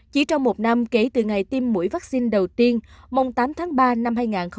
chỉ trong một năm kể từ ngày tiêm mũi vaccine đầu tiên mùng tám tháng ba năm hai nghìn hai mươi